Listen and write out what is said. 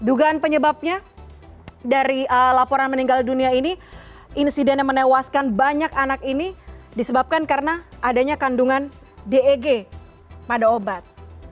dugaan penyebabnya dari laporan meninggal dunia ini insiden yang menewaskan banyak anak ini disebabkan karena adanya kandungan deg pada obat